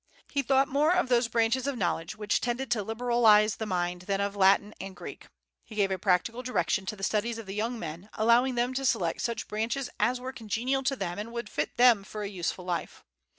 He thought more of those branches of knowledge which tended to liberalize the mind than of Latin and Greek. He gave a practical direction to the studies of the young men, allowing them to select such branches as were congenial to them and would fit them for a useful life.